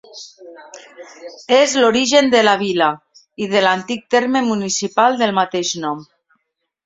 És l'origen de la vila i de l'antic terme municipal del mateix nom.